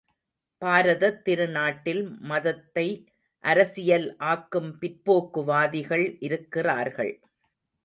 பாரதத் திருநாட்டில் மதத்தை அரசியல் ஆக்கும் பிற்போக்குவாதிகள் இருக்கிறார்கள்.